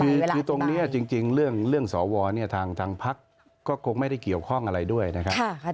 คือตรงนี้จริงเรื่องสวเนี่ยทางพักก็คงไม่ได้เกี่ยวข้องอะไรด้วยนะครับ